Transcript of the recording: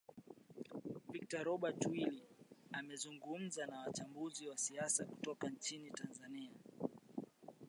victor robert willi amezungumza na mchambuzi wa siasa kutoka nchini tanzania